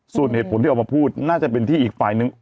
ส่วนเหตุผลที่ออกมาพูดน่าจะเป็นที่อีกฝ่ายนึง